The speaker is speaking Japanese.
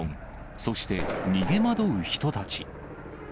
そして、逃げ惑う人たち。